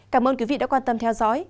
cảm ơn quý vị đã quan tâm theo dõi